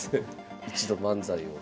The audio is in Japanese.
一度漫才を。